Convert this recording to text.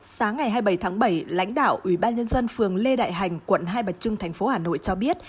sáng ngày hai mươi bảy tháng bảy lãnh đạo ubnd phường lê đại hành quận hai bà trưng thành phố hà nội cho biết